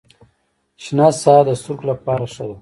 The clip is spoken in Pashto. شنه ساحه د سترګو لپاره ښه ده